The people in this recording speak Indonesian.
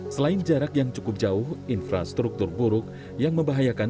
selain jarak yang cukup jauh infrastruktur buruk yang membahayakan